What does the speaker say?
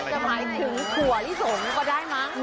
หมายถึงถั่วลิสงก็ได้มั้ง